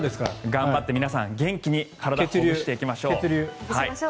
頑張って皆さん体をほぐしていきましょう。